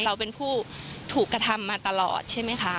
เราเป็นผู้ถูกกระทำมาตลอดใช่ไหมคะ